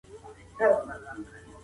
هغوی مخکې له دې چې زه ورشم ډوډۍ خوړلې وه.